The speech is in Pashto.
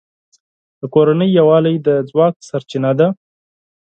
د کورنۍ یووالی د ځواک سرچینه ده.